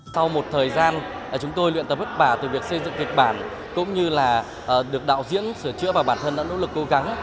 sau một thời gian chúng tôi luyện tập bất bả từ việc xây dựng kịch bản cũng như là được đạo diễn sửa chữa và bản thân đã nỗ lực cố gắng